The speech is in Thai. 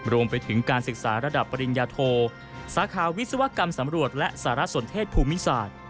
รวมไปถึงการศึกษาระดับปริญญาโทสาขาวิศวกรรมสำรวจและสารสนเทศภูมิศาสตร์